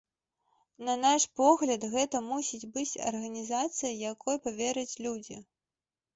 На наш погляд, гэта мусіць быць арганізацыя, якой павераць людзі.